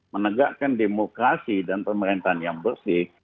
menegakkan demokrasi dan pemerintahan yang bersih